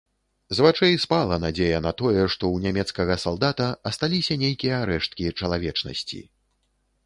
З вачэй спала надзея на тое, што ў нямецкага салдата асталіся нейкія рэшткі чалавечнасці.